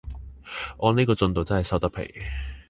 按呢個進度真係收得皮